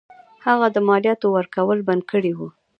هغه د مالیاتو ورکول بند کړي وه.